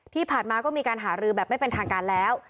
ที่ผ่านมาก็มีการหารือแบบไม่เป็นทางการแล้ว